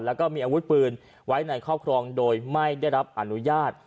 แล้วก็มีอาวุธปืนไว้ในครอบครองโดยไม่ได้รับอนุญาต